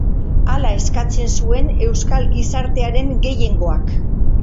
Hala eskatzen zuen euskal gizartearen gehiengoak.